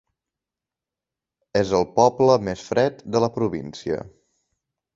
És el poble més fred de la província.